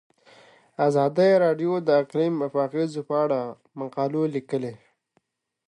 ازادي راډیو د اقلیم د اغیزو په اړه مقالو لیکلي.